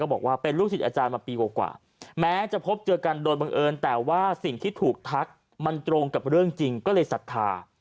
บอกว่าเป็นลูกศิษย์อาจารย์มาปีกว่าแม้จะพบเจอกันโดยบังเอิญแต่ว่าสิ่งที่ถูกทักมันตรงกับเรื่องจริงก็เลยศรัทธา